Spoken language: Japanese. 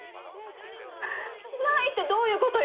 ないってどういう事よ？